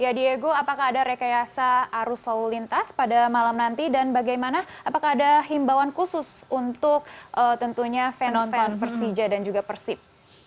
ya diego apakah ada rekayasa arus lalu lintas pada malam nanti dan bagaimana apakah ada himbawan khusus untuk tentunya fans fans persija dan juga persib